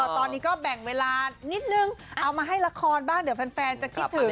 ตอนนี้ก็แบ่งเวลานิดนึงเอามาให้ละครบ้างเดี๋ยวแฟนจะคิดถึง